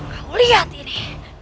kau lihat ini